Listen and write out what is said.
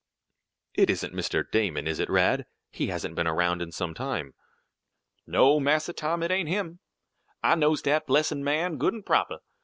"It isn't Mr. Damon; is it, Rad? He hasn't been around in some time." "No, Massa Tom, it ain't him. I knows dat blessin' man good an' proper.